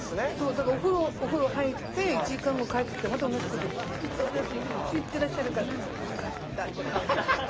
だからお風呂入って１時間後帰ってきてまた同じこと「いかがですか？」ってずっと言ってらっしゃるから「分かった」って買うの。